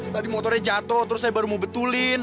tadi motornya jatuh terus saya baru mau betulin